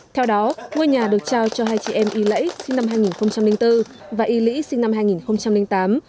theo đó ngôi nhà được trao cho hai chị em y lẫy sinh năm hai nghìn bốn và y lĩ sinh năm hai nghìn tám